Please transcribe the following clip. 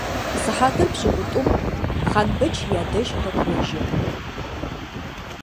Сыхьатыр пшӏыкӏутӏум Хъанбэч ядэжь къэкӏожьы.